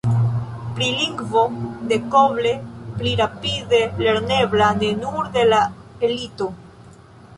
Pri lingvo dekoble pli rapide lernebla ne nur de la elito?